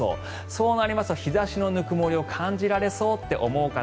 そうすると日差しのぬくもりを感じられそうって思う方。